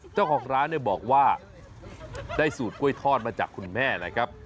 เจ้าของร้านเนี่ยบอกว่าได้สูตรกล้วยทอดมาจากคุณแม่นะครับ